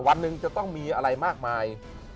วันนึงจะมีอะไรมากมาย